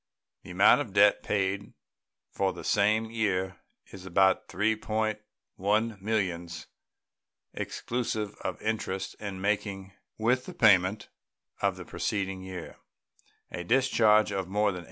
The amount of debt paid for the same year is about $3.1 millions exclusive of interest, and making, with the payment of the preceding year, a discharge of more than $8.